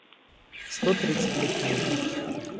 сто тридцать три книги